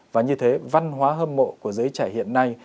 và như thế văn hóa hâm mộ của giới trẻ hiện nay